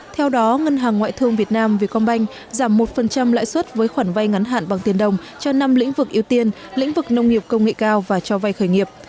theo đó ngân hàng ngoại thương việt nam vietcombank giảm một lãi suất với khoản vay ngắn hạn bằng tiền đồng cho năm lĩnh vực ưu tiên lĩnh vực nông nghiệp công nghệ cao và cho vay khởi nghiệp